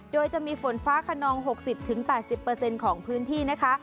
โดยจะมีฝนฟ้าคนองหกสิบถึงแปดสิบเปอร์เซ็นต์ของพื้นที่นะคะ